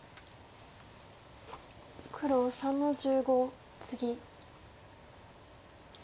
黒３の十五ツギ。